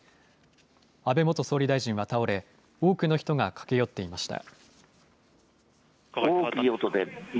安倍元総理大臣は倒れ多くの人が駆け寄っていました。